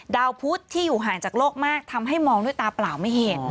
ดาวพุทธที่อยู่ห่างจากโลกมากทำให้มองด้วยตาเปล่าไม่เห็น